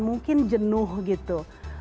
mungkin jenuh gitu